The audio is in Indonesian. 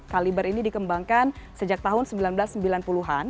kaliber ini dikembangkan sejak tahun seribu sembilan ratus sembilan puluh an